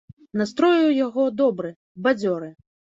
Настрой у яго добры, бадзёры.